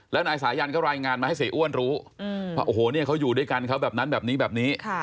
แล้วนายสายันก็รายงานมาให้เสียอ้วนรู้ว่าโอ้โหเนี่ยเขาอยู่ด้วยกันเขาแบบนั้นแบบนี้แบบนี้